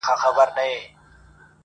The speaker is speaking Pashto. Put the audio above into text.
ویل ورک سه زما له مخي له درباره-!